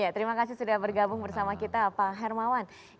terima kasih sudah bergabung bersama kita pak hermawan